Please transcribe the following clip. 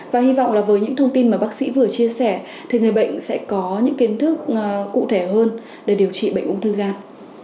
và hy vọng là với những thông tin mà bác sĩ vừa chia sẻ thì người bệnh sẽ có những kiến thức cụ thể hơn để điều trị bệnh ung thư gan